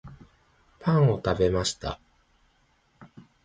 パンを食べました